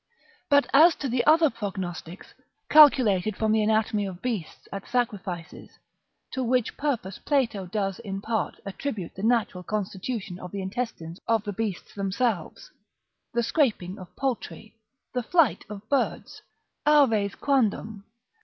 ] But as to the other prognostics, calculated from the anatomy of beasts at sacrifices (to which purpose Plato does, in part, attribute the natural constitution of the intestines of the beasts themselves), the scraping of poultry, the flight of birds "Aves quasdam